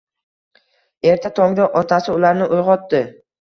Erta tongda otasi ularni uyg`otdi